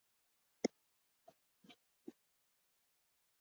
He is also the Principal Creative Advisor for Walt Disney Imagineering.